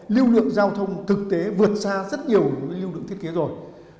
lưu lượng giao thông thực tế vượt xa rất nhiều lưu lượng thiết kế rồi